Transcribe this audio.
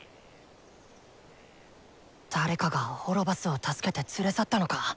誰かがオロバスを助けて連れ去ったのか。